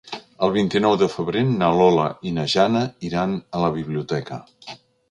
El vint-i-nou de febrer na Lola i na Jana iran a la biblioteca.